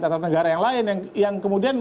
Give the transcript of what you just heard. tata negara yang lain yang kemudian